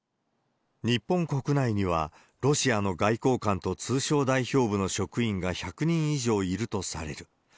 日本国内には、ロシアの外交官と通商代表部の職員が１００人以上いるとされる。